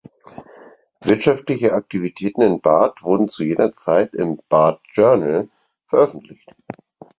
Wirtschaftliche Aktivitäten in Bath wurden zu jener Zeit im "Bath Journal" veröffentlicht.